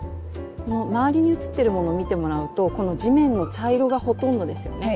周りに写ってるものを見てもらうとこの地面の茶色がほとんどですよね。